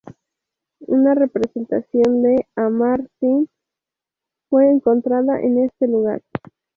Una representación de Amar-Sin fue encontrada en este lugar.